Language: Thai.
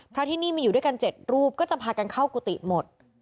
ที่นี่มีอยู่ด้วยกัน๗รูปก็จะพากันเข้ากุฏิหมด